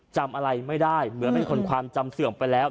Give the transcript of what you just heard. จำอะไรไม่ได้เหมือนเป็นคนความจำเสื่อมไปแล้ว